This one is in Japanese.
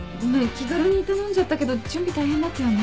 気軽に頼んじゃったけど準備大変だったよね？